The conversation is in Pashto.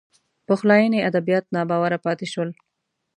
پخلاینې ادبیات ناباوره پاتې شول